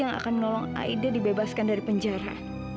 yang akan menolong aida dibebaskan dari penjara